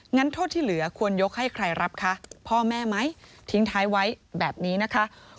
โทษที่เหลือควรยกให้ใครรับคะพ่อแม่ไหมทิ้งท้ายไว้แบบนี้นะคะ